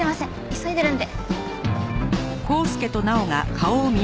急いでるんで。